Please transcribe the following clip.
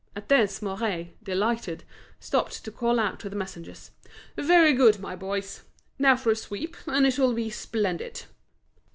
At this Mouret, delighted, stopped to call out to the messengers: "Very good, my boys! now for a sweep, and it'll be splendid!"